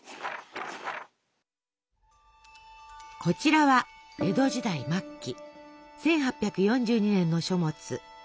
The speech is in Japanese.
こちらは江戸時代末期１８４２年の書物。